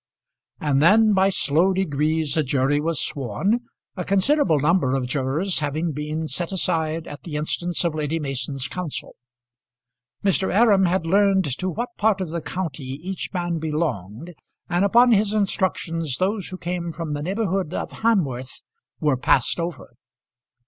And then by slow degrees a jury was sworn, a considerable number of jurors having been set aside at the instance of Lady Mason's counsel. Mr. Aram had learned to what part of the county each man belonged, and upon his instructions those who came from the neighbourhood of Hamworth were passed over.